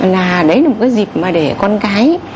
là đấy là một cái dịp mà để con cái